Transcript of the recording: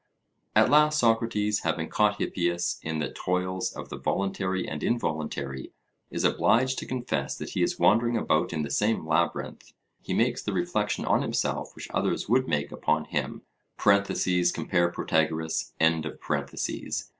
At last, Socrates having caught Hippias in the toils of the voluntary and involuntary, is obliged to confess that he is wandering about in the same labyrinth; he makes the reflection on himself which others would make upon him (compare Protagoras).